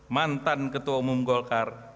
mantan ketua umum golkar